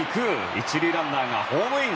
１塁ランナーがホームイン！